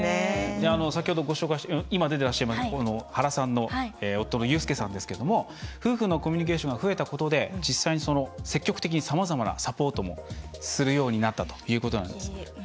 先ほどご紹介した今出てらっしゃいます原さんの夫の佑輔さんですけども夫婦のコミュニケーションが増えたことで実際に積極的にさまざまなサポートもするようになったということなんです。